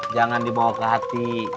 jangan dibawa ke hati